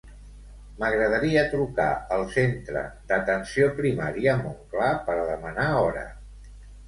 M'agradaria trucar al centre d'atenció primària Montclar per demanar hora.